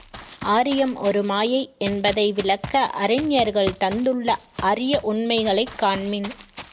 ஆரியம் ஒரு மாயை என்பதை விளக்க அறிஞர்கள் தந்துள்ள அரிய உண்மைகளைக் காண்மின்!